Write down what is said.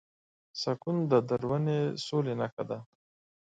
سکون د دروني سولې نښه ده.